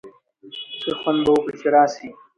ښه خوند به وکړي چي راسی.